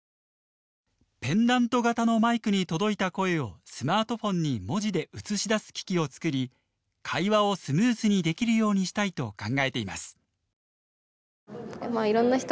ペンダント型のマイクに届いた声をスマートフォンに文字で映し出す機器を作り会話をスムーズにできるようにしたいと考えています。